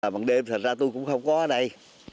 bằng đêm thật ra tôi cũng không có ở đây